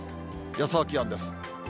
予想気温です。